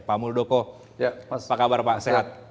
pak muldoko apa kabar pak sehat